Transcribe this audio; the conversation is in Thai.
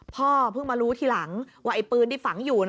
พ่อเพิ่งมารู้ทีหลังว่าไอ้ปืนที่ฝังอยู่